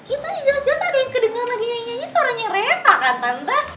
itu aja jelas jelas ada yang kedengeran lagi nyanyi suaranya repa kan tante